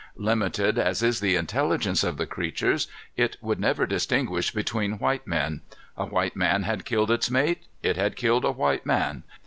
Limited as is the intelligence of the creatures, it would never distinguish between white men. A white man had killed its mate. It had killed a white man.